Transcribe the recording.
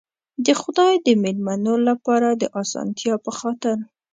د خدای د مېلمنو لپاره د آسانتیا په خاطر.